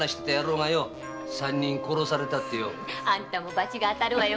あんたも罰が当たるわよ。